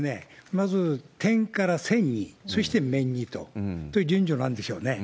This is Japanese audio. まず、点から線に、そして面にという順序なんですよね。